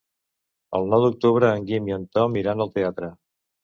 El nou d'octubre en Guim i en Tom iran al teatre.